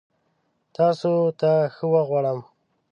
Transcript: تاسو ته ښه وخت غوړم!